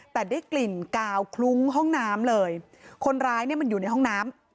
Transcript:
แต่ได้กลิ่นกาวคลุ้งห้องน้ำเลยคนร้ายเนี่ยมันอยู่ในห้องน้ำ